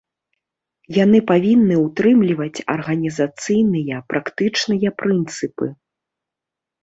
Яны павінны ўтрымліваць арганізацыйныя, практычныя прынцыпы.